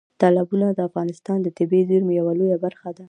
تالابونه د افغانستان د طبیعي زیرمو یوه لویه برخه ده.